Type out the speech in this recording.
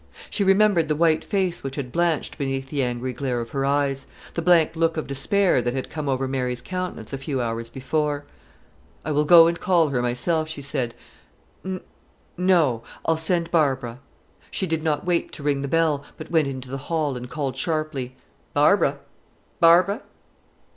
She remembered the white face which had blanched beneath the angry glare of her eyes, the blank look of despair that had come over Mary's countenance a few hours before. "I will go and call her myself," she said. "N no; I'll send Barbara." She did not wait to ring the bell, but went into the hall, and called sharply, "Barbara! Barbara!"